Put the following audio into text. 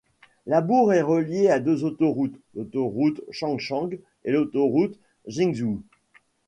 La bourg est reliée à deux autoroutes: l'autoroute Changchang et l'autoroute Jinzhou.